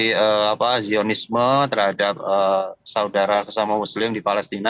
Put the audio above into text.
namun karena salah satu hal dia melakukan aksi zionisme terhadap saudara sesama muslim di palestina